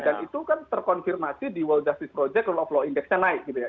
dan itu kan terkonfirmasi di world justice project rule of law index nya naik gitu ya